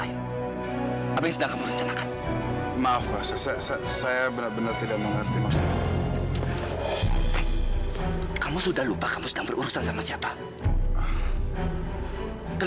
tapi saya tahu pasti itu memang ihsan